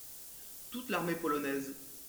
Toute l’Armée polonaise.